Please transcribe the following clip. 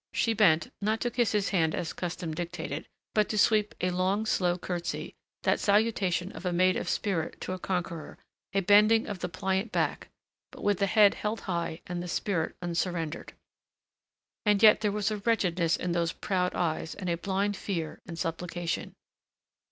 She bent, not to kiss his hand as custom dictated, but to sweep a long, slow courtesy, that salutation of a maid of spirit to a conqueror, a bending of the pliant back, but with the head held high and the spirit unsurrendered. And yet there was wretchedness in those proud eyes and a blind fear and supplication.